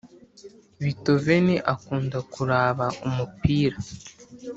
bitoveni akunda kuraba umupira